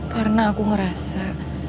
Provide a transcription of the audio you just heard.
karena aku ngerasa